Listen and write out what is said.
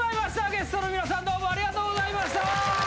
ゲストの皆さんどうもありがとうございました。